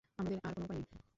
আমাদের আর কোন উপায় নেই।